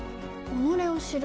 己を知る？